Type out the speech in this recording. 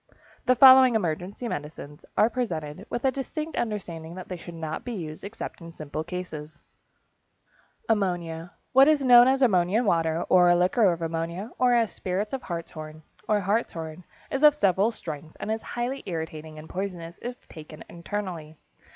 The following emergency medicines are presented, with a distinct understanding that they should not be used except in simple cases: =Ammonia.= What is known as ammonia water, or liquor of ammonia, or as spirits of hartshorn, or hartshorn, is of several strengths and is highly irritating and poisonous if taken internally.